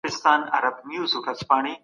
د نبي علیه السلام په زمانه کي عدالت ټینګ و.